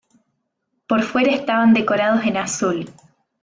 Por fuera estaban decorados en azul.